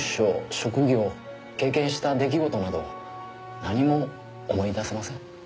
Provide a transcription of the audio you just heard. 職業経験した出来事など何も思い出せません。